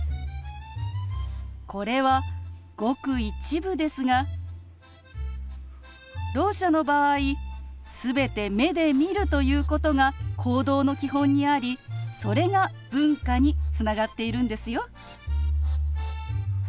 これはごく一部ですがろう者の場合全て目で見るということが行動の基本にありそれが文化につながっているんですよ。